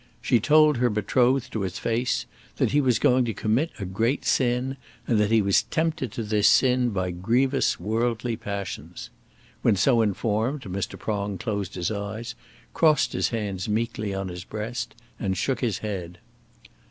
She told her betrothed to his face that he was going to commit a great sin, and that he was tempted to this sin by grievous worldly passions. When so informed Mr. Prong closed his eyes, crossed his hands meekly on his breast, and shook his head.